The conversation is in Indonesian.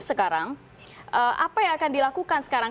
sekarang apa yang akan dilakukan sekarang